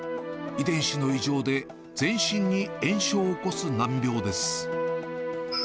遺伝子の異常で、全身に炎症を起こす難病です。